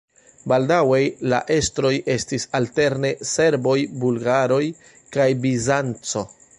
Baldaŭe la estroj estis alterne serboj, bulgaroj kaj Bizanco.